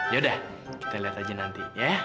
yaudah kita lihat aja nanti ya